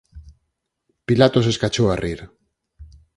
Pilatos escachou a rir: